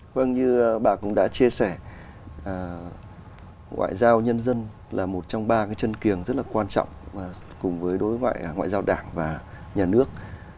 vâng như bà cũng đã chia sẻ ngoại giao nhân dân là một trong ba cái chân kiềng rất là quan trọng cùng với đối ngoại ngoại giao đảng và nhà nước